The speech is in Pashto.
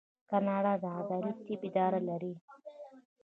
کاناډا د عدلي طب اداره لري.